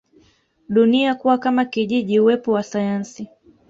dunia kuwa kama kijiji uwepo wa sayansi